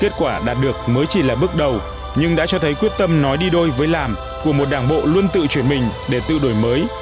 kết quả đạt được mới chỉ là bước đầu nhưng đã cho thấy quyết tâm nói đi đôi với làm của một đảng bộ luôn tự chuyển mình để tự đổi mới